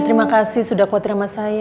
terima kasih sudah khawatir sama saya